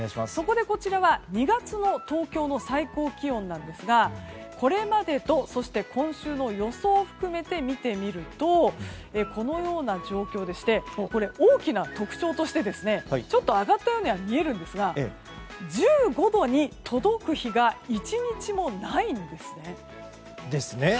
そこでこちらは２月の東京の最高気温なんですがこれまでと、そして今週の予想を含めて見てみるとこのような状況でして大きな特徴としてちょっと上がったようには見えるんですが１５度に届く日が１日もないんですね。